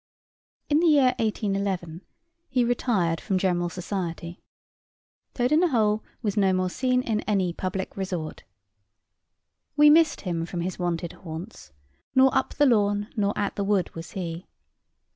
In the year 1811 he retired from general society. Toad in the hole was no more seen in any public resort. We missed him from his wonted haunts nor up the lawn, nor at the wood was he.